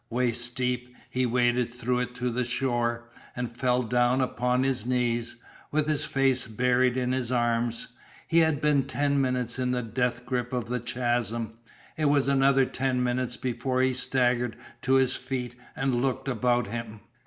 Waist deep he waded through it to the shore, and fell down upon his knees, with his face buried in his arms. He had been ten minutes in the death grip of the chasm. It was another ten minutes before he staggered to his feet and looked about him.